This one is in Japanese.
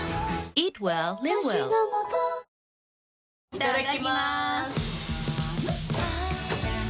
いただきます！